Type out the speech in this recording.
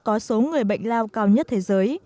có số người bệnh lao cao nhất thế giới